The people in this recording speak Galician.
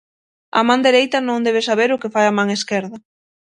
A man dereita non debe saber o que fai a man esquerda.